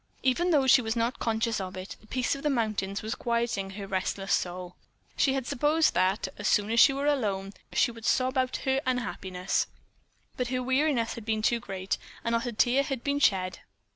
Even though she was not conscious of it, the peace of the mountains was quieting her restless soul. She had supposed that, as soon as she were alone, she would sob out her unhappiness, but her weariness had been too great, and not a tear had been shed.